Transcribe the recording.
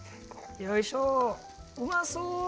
よいしょ、うまそう。